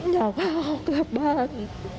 อยากพาเขากลับบ้าน